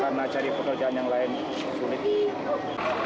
karena cari pekerjaan yang lain sulit